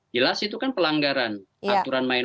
jelas itu kan pelanggaran aturan main